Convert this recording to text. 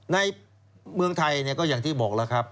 ในเมืองไทยก็อย่างที่บอกแล้วครับ